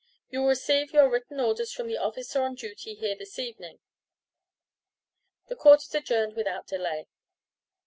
You will receive your written orders from the officer on duty here this evening. The Court is adjourned without day."